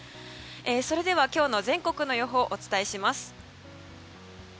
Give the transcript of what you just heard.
それでは今日の全国の予報をお伝えします。